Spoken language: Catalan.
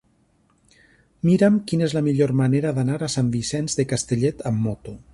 Mira'm quina és la millor manera d'anar a Sant Vicenç de Castellet amb moto.